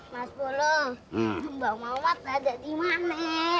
mas polo bang mamat ada dimana